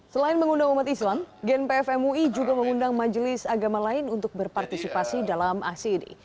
selain mengundang umat islam gnpf mui juga mengundang majelis agama lain untuk berpartisipasi dalam aksi ini